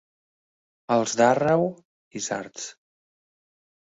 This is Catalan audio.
Els d'Àrreu, isards.